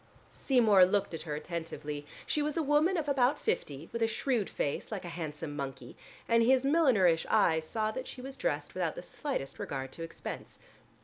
Seymour looked at her attentively. She was a woman of about fifty, with a shrewd face, like a handsome monkey, and his millinerish eyes saw that she was dressed without the slightest regard to expense.